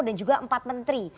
dan juga empat menteri